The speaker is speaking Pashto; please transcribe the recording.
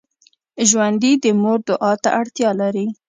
ژوندي د مور دعا ته اړتیا لري